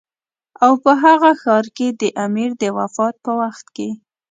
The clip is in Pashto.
او په هغه ښار کې د امیر د وفات په وخت کې.